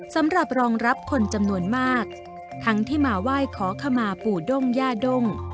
สำหรับรองรับคนจำนวนมากทั้งที่มาไหว้ขอขมาปู่ด้งย่าด้ง